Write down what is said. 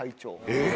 ・えっ？